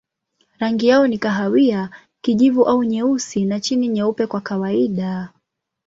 Rangi yao ni kahawia, kijivu au nyeusi na chini nyeupe kwa kawaida.